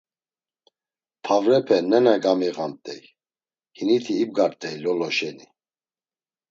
Pavrepe nena gamiğamt̆ey, hiniti ibgart̆ey Lolo şeni.